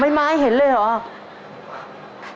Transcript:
ไม้เห็นเลยเหรอ